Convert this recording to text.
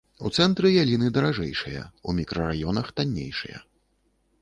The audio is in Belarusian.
У цэнтры яліны даражэйшыя, у мікрараёнах таннейшыя.